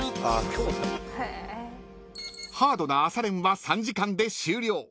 ［ハードな朝練は３時間で終了］